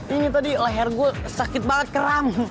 ini tadi leher gue sakit banget keram